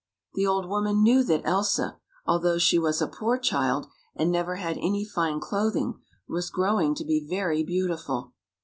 The old woman knew that Elsa, although she was a poor child and never had any fine clothing, was growing to be very beautiful.